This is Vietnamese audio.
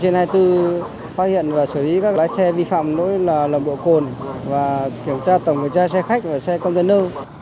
chúng tôi phát hiện và xử lý các lái xe vi phạm nỗi nồng độ cồn và kiểm tra tổng kiểm tra xe khách và xe công dân đâu